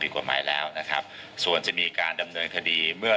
กฎหมายแล้วนะครับส่วนจะมีการดำเนินคดีเมื่อ